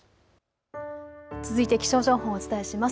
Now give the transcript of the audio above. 続いて気象情報をお伝えします。